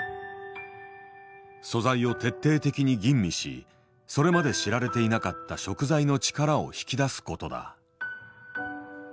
素材を徹底的に吟味しそれまで知られていなかった食材の力を引き出す事だ。